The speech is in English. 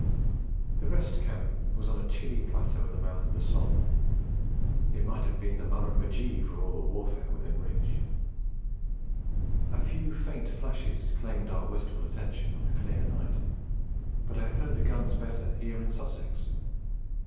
The Rest Camp was on a chilly plateau at the mouth of the Somme: it might have been the Murrambidgee for all the warfare within reach. A few faint flashes claimed our wistful attention on a clear night, but I have heard the guns better here in Sussex.